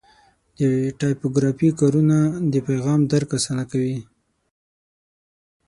د ټایپوګرافي کارونه د پیغام درک اسانه کوي.